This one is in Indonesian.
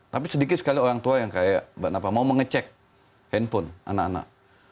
tapi sedikit sekali orang tua yang kayak mbak napa mau mengecek handphone anak anak